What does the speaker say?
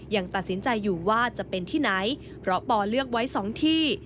ยังตัดสินใจอยู่ว่าจะเป็นที่ไหนเพราะปอเลือกไว้๒ที่